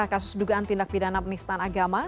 kasus dugaan tindak bidana penistan agama